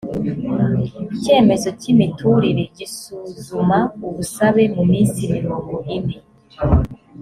icyemezo cy imiturire gisuzuma ubusabe mu minsi mirongo ine